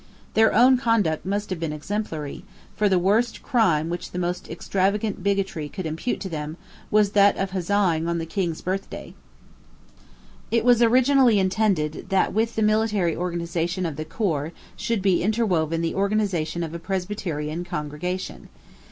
Their own conduct must have been exemplary: for the worst crime which the most extravagant bigotry could impute to them was that of huzzaing on the King's birthday. It was originally intended that with the military organization of the corps should he interwoven the organization of a Presbyterian congregation.